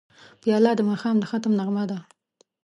پیاله د ماښام د ختم نغمه ده.